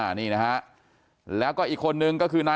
อยู่ดีมาตายแบบเปลือยคาห้องน้ำได้ยังไง